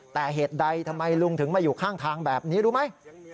แต่เหตุใดทำไมลุงถึงมาอยู่ข้างทางแบบนี้รู้ไหม